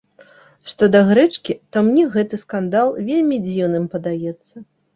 Што да грэчкі, то мне гэты скандал вельмі дзіўным падаецца.